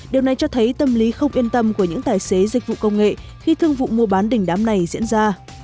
điều này cho thấy tâm lý không yên tâm của những tài xế dịch vụ công nghệ khi thương vụ mua bán đỉnh đám này diễn ra